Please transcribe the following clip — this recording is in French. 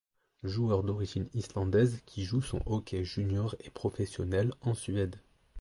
Joueur d'origine islandaise qui joue son hockey junior et professionnel en Suède.